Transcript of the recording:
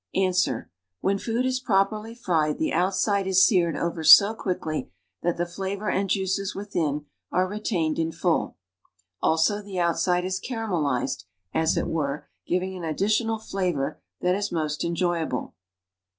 Ans. When food is properly fried the outside is seared over so tjuickly that the flaxor and jiiiees within are retained in full; also the outside is caramelized — as it were — giving an addi tional flavor that is most enjoyable.